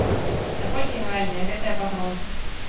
Наколькі рэальныя гэтыя пагрозы?